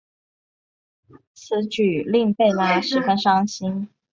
此举令贝拉十分伤心。